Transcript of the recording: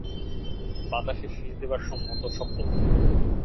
বাতাসে শিষ দেবার মতো শব্দ হলো।